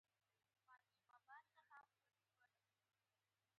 دوی د نورو عاید لرونکو دریم برخې څخه ډېره مالیه اداکوي